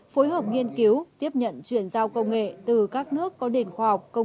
hai nghìn hai mươi hai nghìn ba mươi phối hợp nghiên cứu tiếp nhận chuyển giao công nghệ từ các nước có nền khoa học công